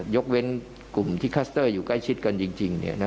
ยกเว้นกลุ่มที่คัสเตอร์อยู่ใกล้ชิดกันจริง